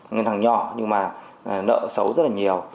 ngân hàng nhỏ nhưng mà nợ xấu rất nhiều